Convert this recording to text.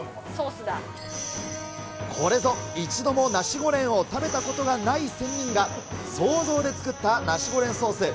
これぞ、一度もナシゴレンを食べたことがない仙人が、想像で作ったナシゴレンソース。